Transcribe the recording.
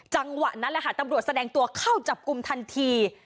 จังหวะนั้นแหละค่ะตำรวจแสดงตัวเข้าจับกลุ่มทันที